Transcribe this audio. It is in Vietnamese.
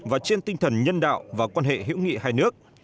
và trên tinh thần nhân đạo và quan hệ hữu nghị hai nước